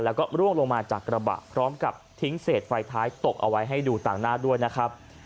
แล้วก็ร่วงลงมาจากกระบะพร้อมกับทิ้งเศษไฟท้ายตกเอาไว้ให้ดูต่างหน้าด้วยนะครับ